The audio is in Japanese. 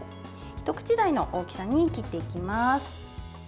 一口大の大きさに切っていきます。